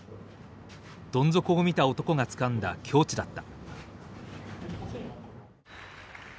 どん底を見た男がつかんだ境地だった。